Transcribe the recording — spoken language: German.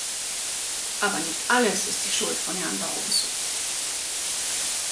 Aber nicht alles ist die Schuld von Herrn Barroso.